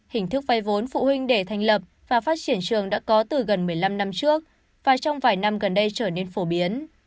hình thức vay vốn phụ huynh để thành lập và phát triển trường đã có từ gần một mươi năm năm trước và trong vài năm gần đây trở nên phổ biến